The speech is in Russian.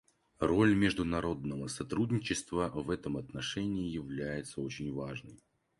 Роль международного сотрудничества в этом отношении является очень важной.